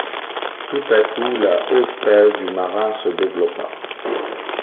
Tout à coup, la haute taille du marin se développa.